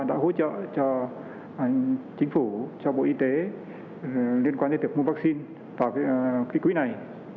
đã hỗ trợ cho chính phủ cho bộ y tế liên quan đến tiệc mua vắc xin vào cái quỹ này